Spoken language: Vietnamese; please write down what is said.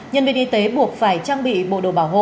nhân viên y tế buộc phải trang bị bộ đồ bảo hộ